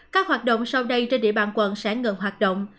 các hoạt động sau đây trên địa bàn quận sẽ ngừng hoạt động